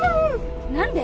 何で！？